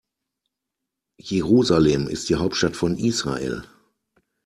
Jerusalem ist die Hauptstadt von Israel.